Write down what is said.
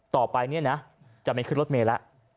ต่อไปเนี่ยนะจะไม่ขึ้นรถเมย์แล้ว